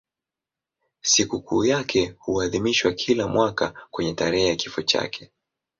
Sikukuu yake huadhimishwa kila mwaka kwenye tarehe ya kifo chake.